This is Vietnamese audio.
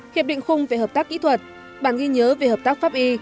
hiệp định khung về hợp tác kỹ thuật bản ghi nhớ về hợp tác pháp y